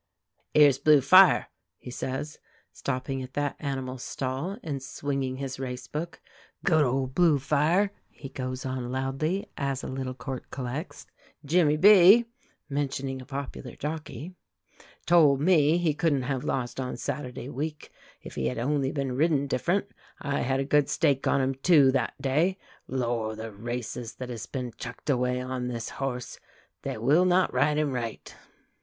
"'Ere's Blue Fire," he says, stopping at that animal's stall, and swinging his race book. "Good old Blue Fire!" he goes on loudly, as a little court collects. "Jimmy B " (mentioning a popular jockey) "told me he couldn't have lost on Saturday week if he had only been ridden different. I had a good stake on him, too, that day. Lor', the races that has been chucked away on this horse. They will not ride him right."